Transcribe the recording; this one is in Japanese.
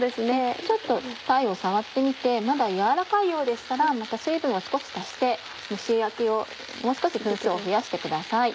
ちょっと鯛を触ってみてまだ軟らかいようでしたらまた水分を少し足して蒸し焼きをもう少し分数を増やしてください。